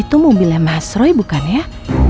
itu mobilnya mas roy bukan ya